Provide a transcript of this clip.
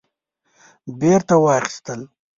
بیرته واخیستل